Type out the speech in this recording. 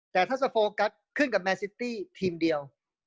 แต่ถ้าจะโฟกัสขึ้นกับแมนซิตี้ทีมเดียว